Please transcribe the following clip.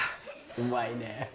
うまいね。